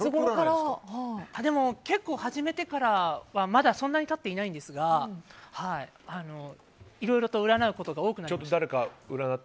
結構始めてからはそんなに経っていないんですけどいろいろと占うことが多くなりまして。